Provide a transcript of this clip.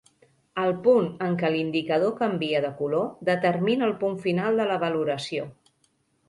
El punt en què l'indicador canvia de color determina el punt final de la valoració.